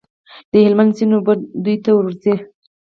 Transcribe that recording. د هلمند سیند اوبه دوی ته ورځي.